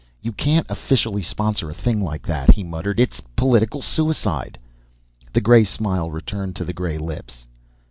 "You can't officially sponsor a thing like that," he muttered. "It's political suicide." The gray smile returned to the gray lips.